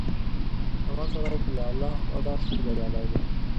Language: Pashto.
• شتمن سړی که له الله وډار شي، بریالی دی.